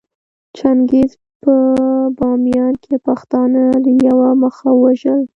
چنګېز په باميان کې پښتانه له يوه مخه ووژل